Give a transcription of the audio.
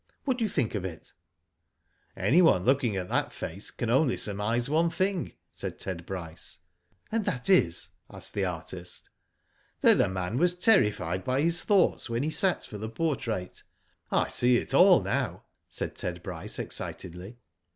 What do you think of it?" " Anyone looking at that face can only surmise one thing," said Ted Bryce. " And that is ?" asked the artist. Digitized byGoogk 224* ^^O DID ITf That the man was terrified by his thoughts when he sat for the portrait. I see it all now," said Ted Bryce, excitedly.